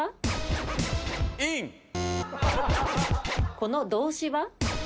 この動詞は？